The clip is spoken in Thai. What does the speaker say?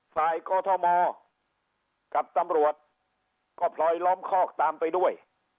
กอทมกับตำรวจก็พลอยล้อมคอกตามไปด้วย